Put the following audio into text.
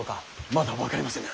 まだ分かりませぬ。